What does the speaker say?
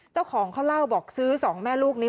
เจ้าของเขาเล่าบอกซื้อสองแม่ลูกนี้